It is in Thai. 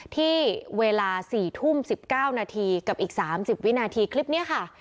ที่เวลา๔ทุ่ม๑๙นาทีกับอีก๓๐วินาทีคลิปนี้ค่ะ